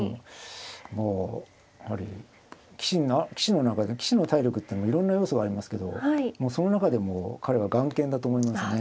もうやはり棋士の体力っていうのもいろんな要素がありますけどその中でも彼は頑健だと思いますね。